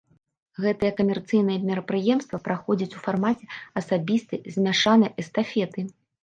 Гэтае камерцыйнае мерапрыемства праходзіць у фармаце асабістай змяшанай эстафеты.